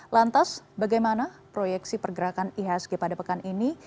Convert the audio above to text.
lantas bagaimana proyeksi pergerakan ihsg pada pekan ini